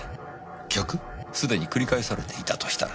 すでに繰り返されていたとしたら。